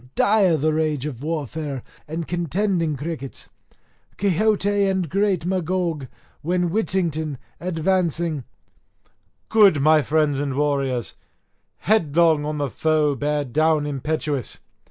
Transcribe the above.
Dire the rage of warfare and contending crickets, Quixote and great Magog; when Whittington advancing "Good, my friends and warriors, headlong on the foe bear down impetuous."